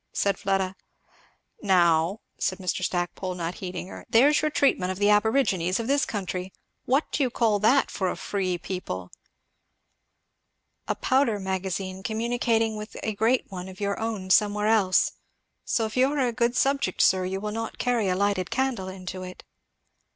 said Fleda. "Now," said Mr. Stackpole, not heeding her, "there's your treatment of the aborigines of this country what do you call that, for a free people?" "A powder magazine, communicating with a great one of your own somewhere else; so if you are a good subject, sir, you will not carry a lighted candle into it."